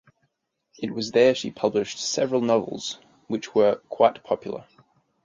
It was there she published several novels which were quite popular.